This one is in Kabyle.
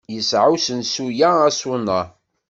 Yesɛa usensu-a aṣuna?